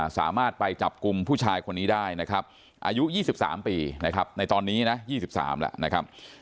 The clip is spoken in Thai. สามารถไปจับกลุ่มผู้ชายคนนี้ได้นะครับอายุ๒๓ปีนะครับในตอนนี้นะ๒๓แล้วนะครับ